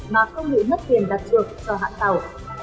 mà không bị mất tiền đặt trượt cho hãng tàu